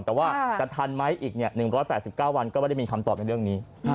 แต่ว่าจะทันไหมอีก๑๘๙วันก็ไม่ได้มีคำตอบในเรื่องนี้